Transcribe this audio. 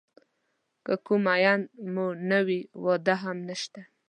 که کوم مېن مو نه وي واده هم نشته.